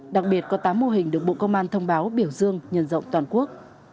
đặc biệt có tám mô hình được bộ công an thông báo biểu dương nhân rộng toàn quốc